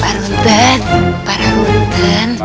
pak runten pak runten